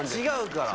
違う？